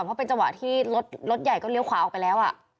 เพราะเป็นจังหวะที่รถใหญ่ก็เลี้ยวขวาออกไปแล้ว